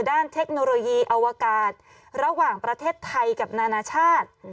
เทคโนโลยีอวกาศระหว่างประเทศไทยกับนานาชาติ